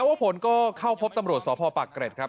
นวพพลก็เข้าพบตำรวจสภปะเกรดครับ